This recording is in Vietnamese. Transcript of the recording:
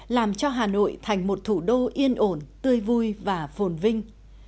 làm cho hà nội thành một thủ đô yên ổn tươi vui và phồn vinh